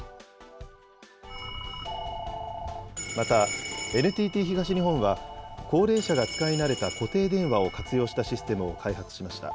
また、ＮＴＴ東日本は、高齢者が使い慣れた固定電話を活用したシステムを開発しました。